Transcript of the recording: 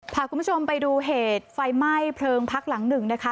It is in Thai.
พาคุณผู้ชมไปดูเหตุไฟไหม้เพลิงพักหลังหนึ่งนะคะ